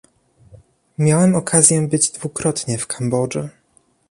Miałem okazję być dwukrotnie w Kambodży